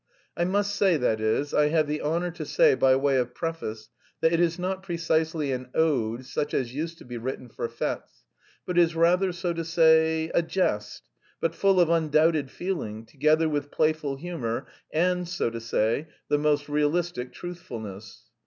"I must say, that is, I have the honour to say by way of preface, that it is not precisely an ode such as used to be written for fêtes, but is rather, so to say, a jest, but full of undoubted feeling, together with playful humour, and, so to say, the most realistic truthfulness."